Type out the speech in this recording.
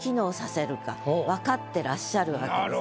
てらっしゃるわけです。